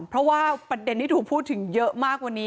เพราะว่าประเด็นที่ถูกพูดถึงเยอะมากวันนี้